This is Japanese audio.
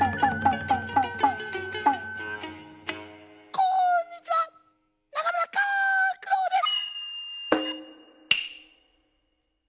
こーんにちはなかむらかーんくろうです。